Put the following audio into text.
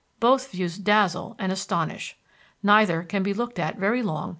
Both views dazzle and astonish. Neither can be looked at very long at one time.